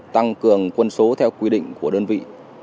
tăng cường quân số theo quy định của đơn vị